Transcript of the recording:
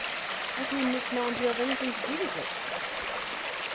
"How came this man to have anything to do with it?"